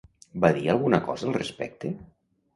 Va dir alguna cosa al respecte?